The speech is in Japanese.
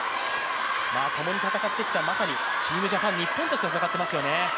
ともに戦ってきたチームジャパン、日本として戦っていますよね。